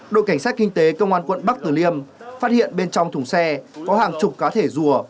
đội cảnh sát kinh tế công an quận bắc tử liêm phát hiện bên trong thùng xe có hàng chục cá thể rùa